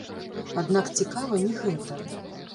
Аднак цікава не гэта.